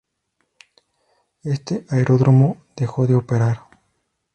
Este aeródromo dejó de operar.